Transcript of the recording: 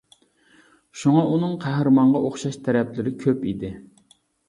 شۇڭا ئۇنىڭ قەھرىمانغا ئوخشايدىغان تەرەپلىرى كۆپ ئىدى.